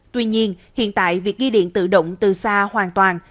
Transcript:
tuy nhiên hiện tại việc ghi điện tự động từ xa hoàn toàn